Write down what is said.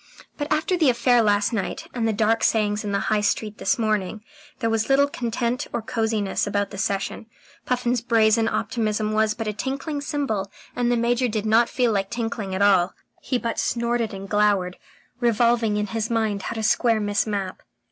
But after the affair last night, and the dark sayings in the High Street this morning, there was little content or cosiness about the session. Puffin's brazen optimism was but a tinkling cymbal, and the Major did not feel like tinkling at all. He but snorted and glowered, revolving in his mind how to square Miss Mapp.